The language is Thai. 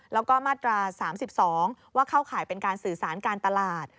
แล้วก็มาตรา๓๒ว่าเข้าข่ายเป็นการสื่อสารการตลาด